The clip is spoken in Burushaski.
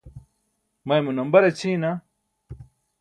maymu nambar aćʰiina